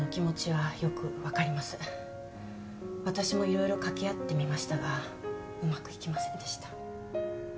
私も色々掛け合ってみましたがうまくいきませんでした。